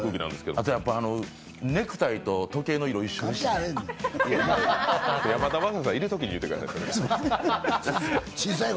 ネクタイと時計の色、一緒でしたわ山田雅人さんがいるときに言ってください。